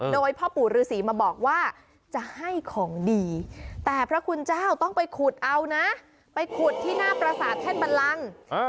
โดยพ่อปู่ฤษีมาบอกว่าจะให้ของดีแต่พระคุณเจ้าต้องไปขุดเอานะไปขุดที่หน้าประสาทแท่นบันลัง